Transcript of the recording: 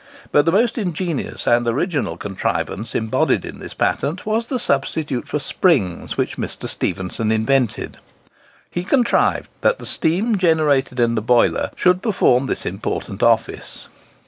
But the most ingenious and original contrivance embodied in this patent was the substitute for springs which Mr. Stephenson invented. He contrived that the steam generated in the boiler should perform this important office.